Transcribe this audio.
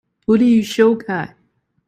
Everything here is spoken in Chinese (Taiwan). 不利於修改